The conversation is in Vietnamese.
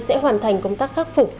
sẽ hoàn thành công tác khắc phục